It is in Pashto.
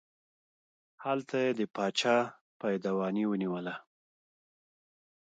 هلته یې د باچا پایدواني ونیوله.